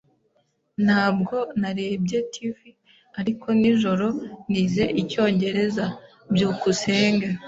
Ntabwo narebye TV ariko nijoro nize icyongereza. byukusenge